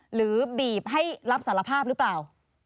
หรือบีบให้รับสารภาพหรือเปล่า